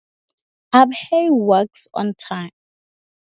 Abhay works on time.